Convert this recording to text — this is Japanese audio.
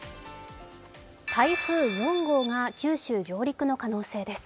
台風４号が九州上陸の可能性です。